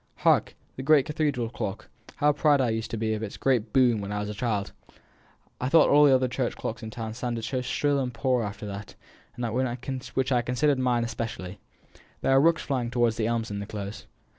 Hark! the great cathedral clock. How proud I used to be of its great boom when I was a child! I thought all the other church clocks in the town sounded so shrill and poor after that, which I considered mine especially. There are rooks flying home to the elms in the Close.